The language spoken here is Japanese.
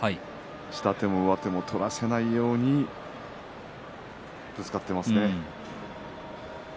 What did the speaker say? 下手も上手も取らせないように使っていますね。